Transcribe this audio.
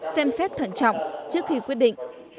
xem xét thận trọng trước khi quyết định